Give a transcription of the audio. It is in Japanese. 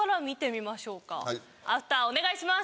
アフターお願いします。